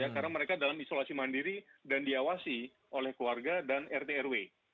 karena mereka dalam isolasi mandiri dan diawasi oleh keluarga dan rt dan rw